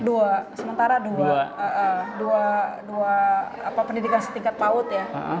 dua sementara dua pendidikan setingkat paut ya